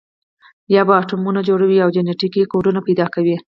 یا به اتمونه جوړوي او جنټیکي کوډونه پیدا کوي.